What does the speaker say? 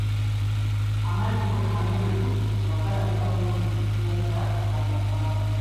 Amannyo ameeru nga galabika bulungi tugayita ga masanga.